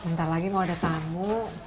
bentar lagi mau ada tamu